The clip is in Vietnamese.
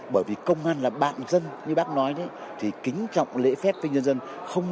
bởi vì công an là bạn dân như bác nói đấy thì kính trọng lễ phép với nhân dân